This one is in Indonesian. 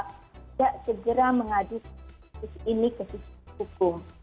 tidak segera mengadu ini ke sisi hukum